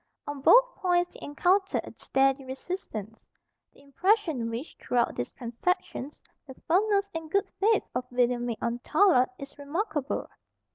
On both points he encountered a steady resistance. The impression which, throughout these transactions, the firmness and good faith of William made on Tallard is remarkable.